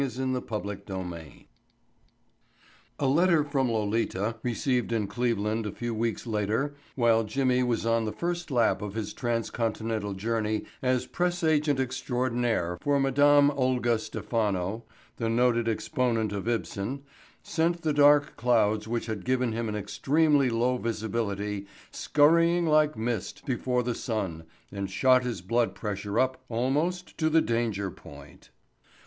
IBSEN. MARTIN. Chapter Eighteen A letter from Lolita, received in Cleveland a few weeks later while Jimmy was on the first lap of his transcontinental journey as press agent extraordinary for Madame Olga Stephano, the noted exponent of Ibsen, sent the dark clouds which had given him an extremely low visibility scurrying like mist before the sun and shot his blood pressure up almost to the danger point.